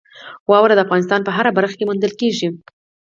واوره د افغانستان په هره برخه کې موندل کېږي.